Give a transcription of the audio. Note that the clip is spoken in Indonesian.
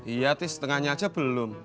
iya sih setengahnya aja belum